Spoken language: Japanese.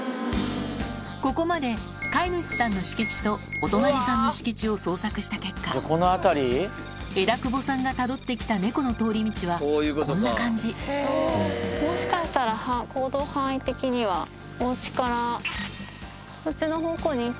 ここまで飼い主さんの敷地とお隣さんの敷地を捜索した結果枝久保さんがたどって来た猫の通り道はこんな感じもしかしたら行動範囲的にはお家から。